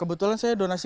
kebetulan saya donasi